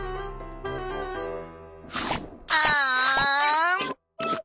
あん！